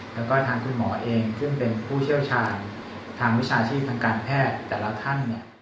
แล้วก็ทางคุณหมอเองซึ่งเป็นผู้เชี่ยวชาญทางวิชาชีพทางการแพทย์แต่ละท่านเนี่ย